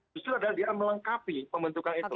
justru adalah dia melengkapi pembentukan itu